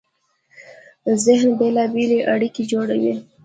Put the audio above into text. ذهن بېلابېلې اړیکې جوړوي.